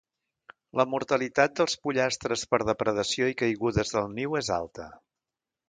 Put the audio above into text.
La mortalitat dels pollastres per depredació i caigudes del niu és alta.